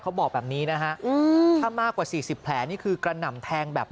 เขาบอกแบบนี้นะฮะถ้ามากกว่าสี่สิบแผลนี่คือกระหน่ำแทงแบบ